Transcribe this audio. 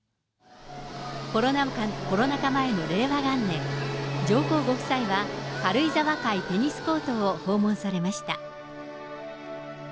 コロナ禍前の令和元年、上皇ご夫妻は軽井沢会テニスコートを訪問されました。